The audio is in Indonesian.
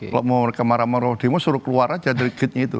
kalau mau mereka marah marah demo suruh keluar aja dari gate nya itu